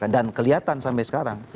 dan kelihatan sampai sekarang